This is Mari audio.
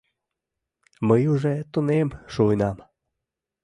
— Мый уже тунем шуынам.